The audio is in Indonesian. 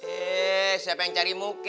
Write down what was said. eh siapa yang cari muka